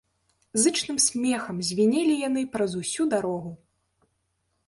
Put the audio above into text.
Зычным смехам звінелі яны праз усю дарогу.